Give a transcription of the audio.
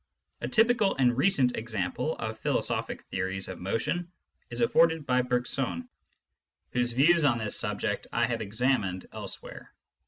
A typical and recent example of philosophic theories of motion is aflforded by Bergson, whose views on this subject I have examined elsewhere.